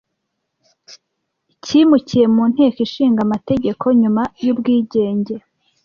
cyimukiye mu Nteko ishinga amategeko nyuma y'ubwigenge